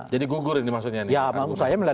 jadi gugur ini maksudnya